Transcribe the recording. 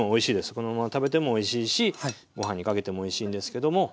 このまま食べてもおいしいしご飯にかけてもおいしいんですけども。